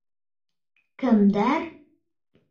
Кемдәр?